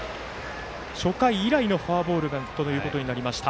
初回以来のフォアボールということになりました。